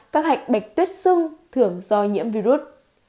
các hạch bạch tuyết sung thường do nhiễm virus